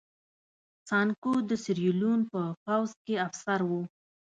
سانکو د سیریلیون په پوځ کې افسر و.